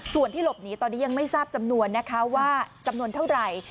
ส่วนที่หลบหนีตอนนี้ยังไม่ทราบจำนวนนะคะว่าจำนวนเท่าไหร่